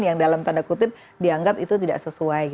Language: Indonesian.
yang dalam tanda kutip dianggap itu tidak sesuai